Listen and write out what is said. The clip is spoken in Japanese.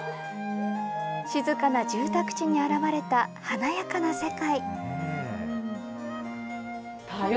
静かな住宅地に現れた華やかな世界。